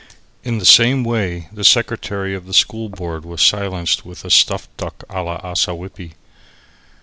In the same way, the secretary of the School Board was silenced with a stuffed duck a la Ossawippi.